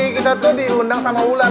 kita tuh diundang sama wulan